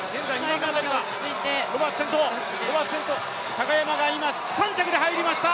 高山が今、３着で入りました。